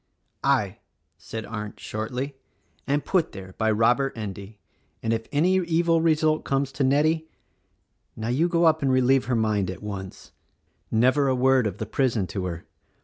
"I," said Arndt shortly, "and put there by Robert Endy; and if any evil result comes to Nettie —! Now you go up and relieve her mind, at once. Never a word of the prison to her!